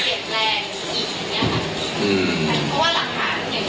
พยายามขอฝังหัวจรุงก็ยังไม่มีส่งรายชื่อ